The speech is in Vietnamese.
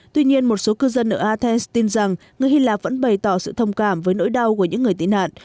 tuy nhiên một số cư dân ở athens tin rằng người hy lạp vẫn bày tỏ sự thông cảm với nỗi đau của những người tị nạn